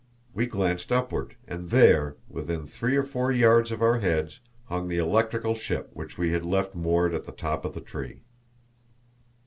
We glanced upward, and there, within three or four yards of our heads, hung the electrical ship, which we had left moored at the top of the tree.